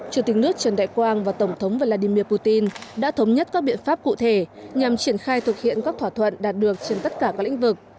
chủ tịch nước trần đại quang và tổng thống vladimir putin đã thống nhất các biện pháp cụ thể nhằm triển khai thực hiện các thỏa thuận đạt được trên tất cả các lĩnh vực